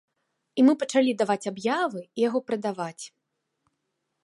І мы пачалі даваць аб'явы і яго прадаваць.